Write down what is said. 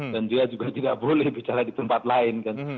dan dia juga tidak boleh bicara di tempat lain kan